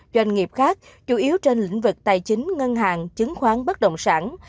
doanh nghiệp khác chủ yếu trên lĩnh vực tài chính ngân hàng chứng khoán bất động sản